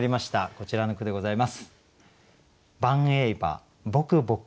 こちらの句でございます。